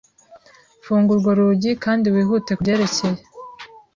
Funga urwo rugi kandi wihute kubyerekeye.